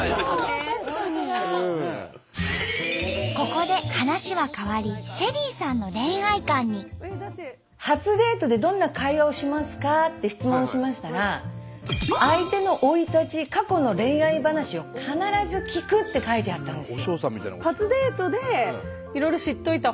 ここで話は変わりって質問をしましたら「相手の生い立ち過去の恋愛話を必ず聞く」って書いてあったんです。